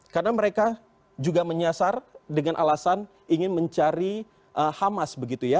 karena mereka juga menyasar dengan alasan ingin mencari hamas begitu ya